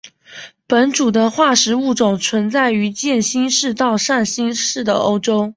本属的化石物种存在于渐新世到上新世的欧洲。